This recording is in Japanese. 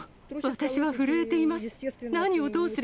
私は震えています。